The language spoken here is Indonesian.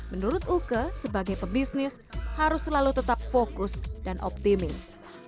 menurut uke sebagai pebisnis harus selalu tetap fokus dan optimis